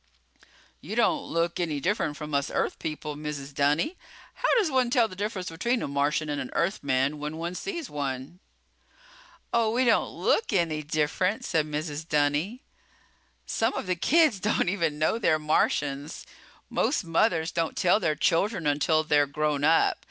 "You don't look any different from us Earth people, Mrs. Dunny. How does one tell the difference between a Martian and an Earthman when one sees one?" "Oh, we don't look any different," said Mrs. Dunny. "Some of the kids don't even know they're Martians. Most mothers don't tell their children until they're grown up.